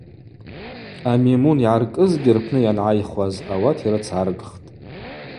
Амимун йгӏаркӏызгьи рпны Йангӏайхуаз ауат йрыцгӏаргхтӏ.